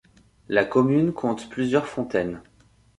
La commune compte plusieurs fontaines.